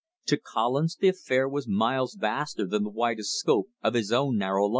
To Collins the affair was miles vaster than the widest scope of his own narrow life.